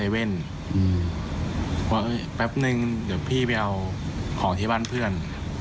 แว่นแป๊บนึงเดี๋ยวพี่ไปเอาของที่บ้านเพื่อน